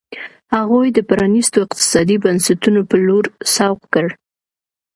هغوی د پرانیستو اقتصادي بنسټونو په لور سوق کړ.